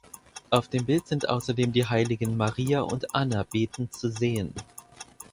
Auf dem Bild sind außerdem die Heiligen Maria und Anna betend zu sehen.